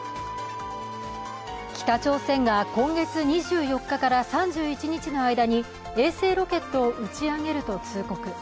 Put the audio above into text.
北朝鮮が今月２４日から３１日の間に衛星ロケットを打ち上げると通告。